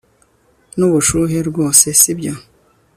Nubushuhe rwose sibyo